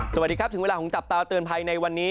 สวัสดีครับถึงเวลาของจับตาเตือนภัยในวันนี้